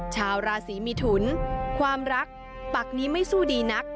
ชาวราศีมิถุนความรักปักนี้ไม่สู้ดีนัก